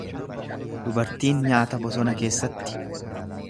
Dubartiin nyaata bosona keessatti.